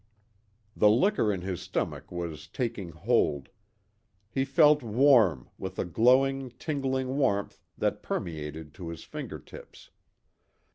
The liquor in his stomach was taking hold. He felt warm, with a glowing, tingling warmth that permeated to his finger tips.